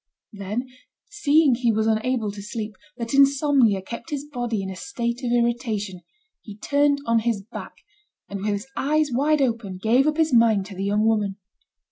Then, seeing he was unable to sleep, that insomnia kept his body in a state of irritation, he turned on his back, and with his eyes wide open, gave up his mind to the young woman.